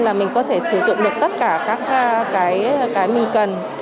là mình có thể sử dụng được tất cả các cái mình cần